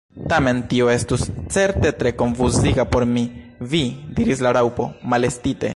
"Tamen tio estus certe tre konfuziga por mi!" "Vi!" diris la Raŭpo malestime ".